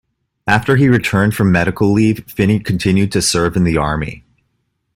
After he returned from medical leave, Finney continued to serve in the army.